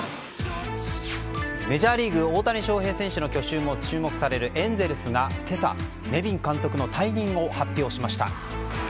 メジャーリーグ大谷翔平選手の去就も注目されるエンゼルスが今朝、ネビン監督の退任を発表しました。